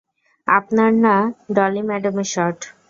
আপনার না, ডলি ম্যাডামের শট।